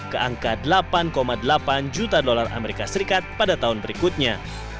ke angka delapan delapan juta dolar amerika serikat pada tahun berikutnya